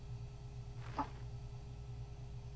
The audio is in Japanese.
あっ。